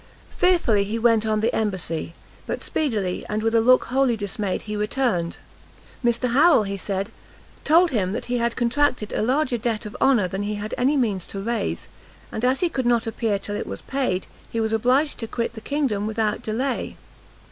Fearfully he went on the embassy, but speedily, and with a look wholly dismayed, he returned. Mr Harrel, he said, told him that he had contracted a larger debt of honour than he had any means to raise, and as he could not appear till it was paid, he was obliged to quit the kingdom without delay.